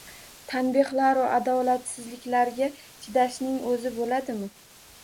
Tanbehlaru adolatsizliklarga chidashning oʻzi boʻladimi